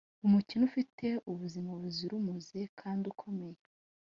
Umukene ufite ubuzima buzira umuze kandi ukomeye,